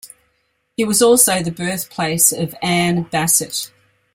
It was also the birthplace of Ann Bassett.